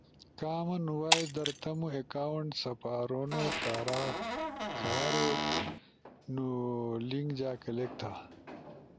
کامن وائس در تمو اکاونٹ سپارونو کارا کھارینو لنک جا کلک تھا۔